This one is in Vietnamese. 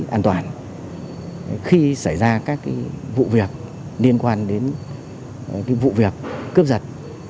an toàn khi xảy ra các vụ việc liên quan đến vụ việc cướp giật